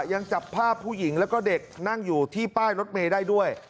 ยังจับภาพผู้หญิงแล้วก็เด็กนั่งอยู่ที่ป้ายรถเมย์ได้ด้วย